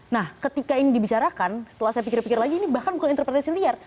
nah ketika ini dibicarakan setelah saya pikir pikir lagi ini bahkan bukan interpretasi liar